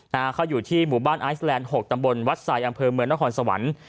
นะฮะเขาอยู่ที่หมู่บ้านไอซแลนดหกตำบลวัดทรายอำเภอเมืองนครสวรรค์